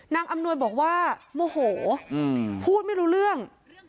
อำนวยบอกว่าโมโหพูดไม่รู้เรื่อง